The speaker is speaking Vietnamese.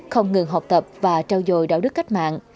không ngừng học tập và trao dồi đạo đức cách mạng